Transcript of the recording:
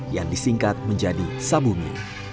yang disingkat menjadi sabumi